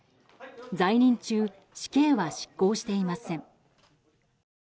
在任中死刑は執行していません。